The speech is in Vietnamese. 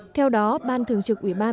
theo đó ban thường trực ủy ban